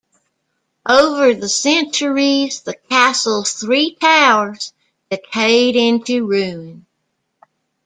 Over the centuries, the Castle's three towers decayed into ruin.